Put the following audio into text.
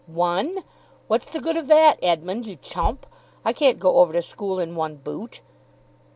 "One? What's the good of that, Edmund, you chump? I can't go over to school in one boot."